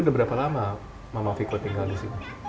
berapa lama viko tinggal di sini